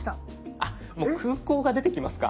あっもう空港が出てきますか。